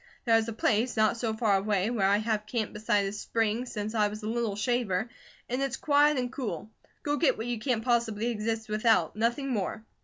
There's a place, not so far away, where I have camped beside a spring since I was a little shaver, and it's quiet and cool. Go get what you can't possibly exist without, nothing more."